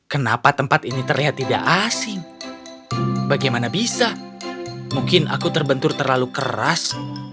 kenapa tempat ini terlihat tidak asing bagaimana bisa mungkin aku terbentur terlalu keras